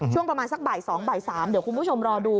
ช่วงประมาณสักบ่าย๒บ่าย๓เดี๋ยวคุณผู้ชมรอดู